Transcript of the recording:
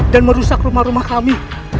dan merusak rumah rumah kami